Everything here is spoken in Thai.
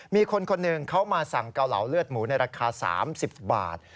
มีคนคนหนึ่งเขามาสั่งเกาเหลาเลือดหมูในราคา๓๐บาท